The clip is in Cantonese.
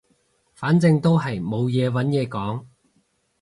反正都係冇嘢揾嘢講